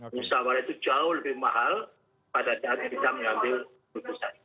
musawarah itu jauh lebih mahal pada saat kita mengambil keputusan